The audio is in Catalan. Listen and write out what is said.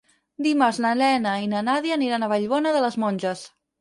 Dimarts na Lena i na Nàdia aniran a Vallbona de les Monges.